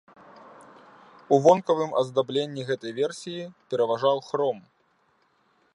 У вонкавым аздабленні гэтай версіі пераважаў хром.